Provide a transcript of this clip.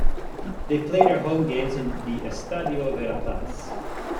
They play their home games in the Estadio Verapaz.